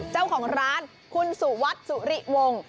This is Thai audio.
เจ้าของร้านคุณสุวัสดิ์สุริวงศ์